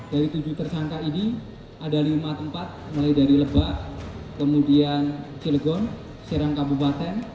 dari tujuh tersangka ini ada lima tempat mulai dari lebak kemudian cilegon serang kabupaten